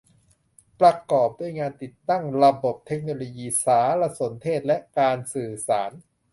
ประกอบด้วยงานติดตั้งระบบเทคโนโลยีสารสนเทศและการสื่อสาร